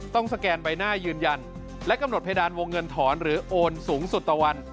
สแกนใบหน้ายืนยันและกำหนดเพดานวงเงินถอนหรือโอนสูงสุดต่อวัน